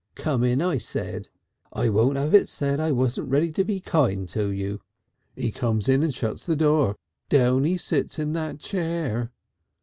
"'Come in,' I said, 'I won't have it said I wasn't ready to be kind to you!' "He comes in and shuts the door. Down he sits in that chair.